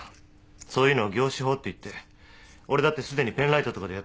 そういうのは凝視法っていって俺だってすでにペンライトとかでやったことあるんだ。